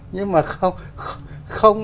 nhưng mà không